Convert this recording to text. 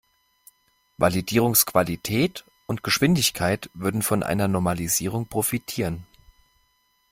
Validierungsqualität und -geschwindigkeit würden von einer Normalisierung profitieren.